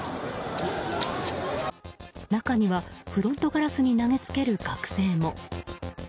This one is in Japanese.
中にはフロントガラスに投げつける学生も。